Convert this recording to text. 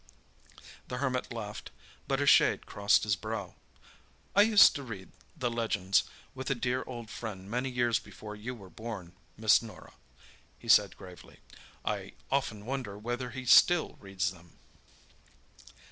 The Hermit laughed, but a shade crossed his brow. "I used to read the Legends with a dear old friend many years before you were born, Miss Norah," he said gravely. "I often wonder whether he still reads them."